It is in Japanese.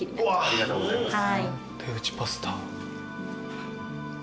ありがとうございます。